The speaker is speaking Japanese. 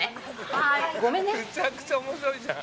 「めちゃくちゃ面白いじゃん」